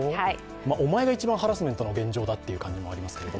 お前が一番ハラスメントの現状だっていう感じですけど。